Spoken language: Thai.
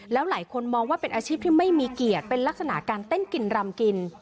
แล้วหลายคนมองว่าเป็นอาชีพที่ไม่มีเกียรติเป็นลักษณะการเต้นกินรำกิน